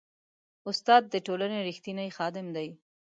استاد د ټولنې ریښتینی خادم دی.